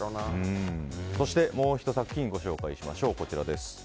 そしてもうひと作品ご紹介しましょう。